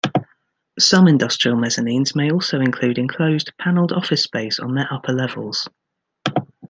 Some industrial mezzanines may also include enclosed, paneled office space on their upper levels.